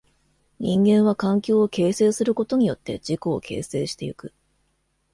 人間は環境を形成することによって自己を形成してゆく。